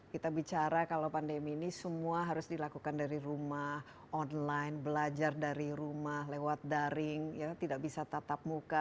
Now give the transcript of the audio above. kita bicara kalau pandemi ini semua harus dilakukan dari rumah online belajar dari rumah lewat daring tidak bisa tatap muka